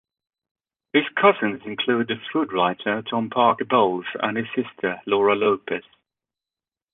His cousins include the food writer Tom Parker Bowles and his sister Laura Lopes.